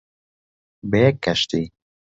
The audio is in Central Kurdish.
بە یەک کەشتی،